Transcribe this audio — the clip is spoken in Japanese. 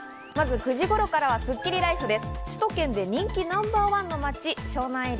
９時頃からはスッキリＬＩＦＥです。